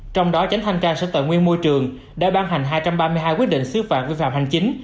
trong đó chánh thanh tra sở tài nguyên môi trường đã ban hành hai trăm ba mươi hai quyết định xứ phạm vi phạm hành chính